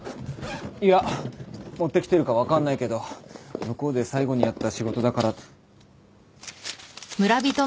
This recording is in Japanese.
いや持ってきてるか分かんないけど向こうで最後にやった仕事だから。